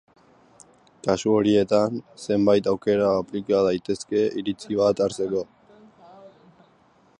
Kasu horietan, zenbait aukera aplika daitezke iritzi bat hartzeko.